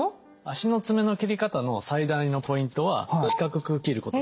足の爪の切り方の最大のポイントは四角く切ることです。